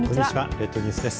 列島ニュースです。